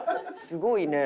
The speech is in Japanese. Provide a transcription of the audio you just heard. すごいね。